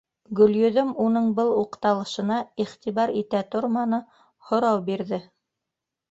Гөлйөҙөм уның был уҡталышына иғтибар итә торманы, һорау бирҙе: